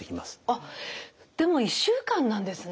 あっでも１週間なんですね。